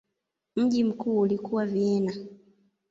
Mji mkuu ulikuwa Vienna.